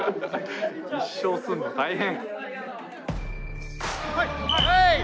１勝すんの大変！